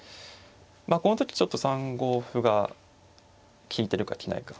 この時ちょっと３五歩が利いてるかいないか。